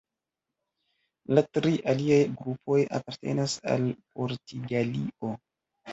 La tri aliaj grupoj apartenas al Portugalio.